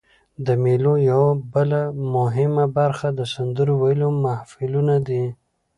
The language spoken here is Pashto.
د مېلو یوه بله مهمه برخه د سندرو ویلو محفلونه دي.